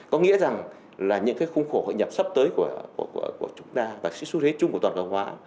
có nghĩa rằng là những cái khung khổ hội nhập sắp tới của chúng ta và sự xu thế chung của toàn cầu hóa